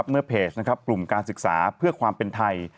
เมื่อเพจกลุ่มการศึกษาเพื่อความเป็นไทย